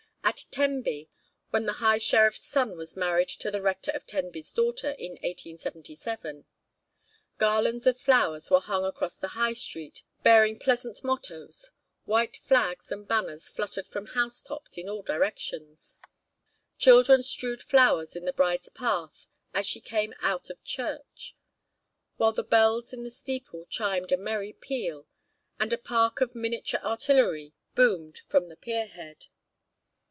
At Tenby, when the High Sheriff's son was married to the Rector of Tenby's daughter, in 1877, garlands of flowers were hung across the High Street, bearing pleasant mottoes, while flags and banners fluttered from house tops in all directions. Children strewed flowers in the bride's path as she came out of church, while the bells in the steeple chimed a merry peal, and a park of miniature artillery boomed from the pier head.